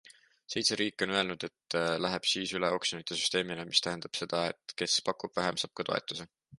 Seitse riiki on öelnud, et läheb siis üle oksjonite süsteemile, mis tähendab seda, et kes pakub vähem, saab ka toetuse.